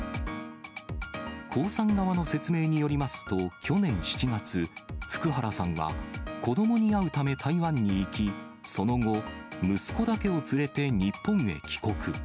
江さん側の説明によりますと、去年７月、福原さんは、子どもに会うため台湾に行き、その後、息子だけを連れて日本へ帰国。